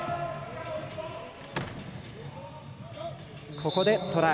ここでトライ。